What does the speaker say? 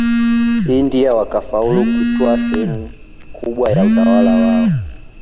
India wakafaulu kutwaa sehemu kubwa ya utawala wao